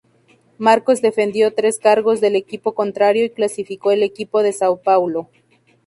Marcos defendió tres cargos del equipo contrario y clasificó el equipo de Sao Paulo.